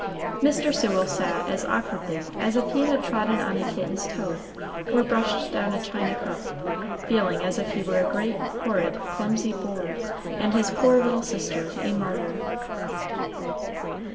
Mr. Sewell sat as awkwardly as if he had trodden on a kitten's toe, or brushed down a china cup, feeling as if he were a great, horrid, clumsy boor, and his poor little sister a martyr.